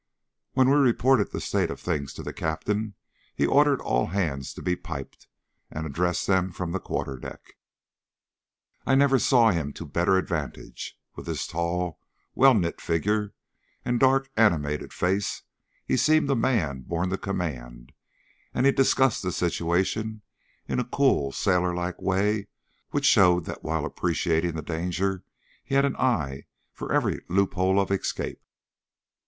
When we reported the state of things to the Captain, he ordered all hands to be piped, and addressed them from the quarterdeck. I never saw him to better advantage. With his tall, well knit figure, and dark animated face, he seemed a man born to command, and he discussed the situation in a cool sailor like way which showed that while appreciating the danger he had an eye for every loophole of escape.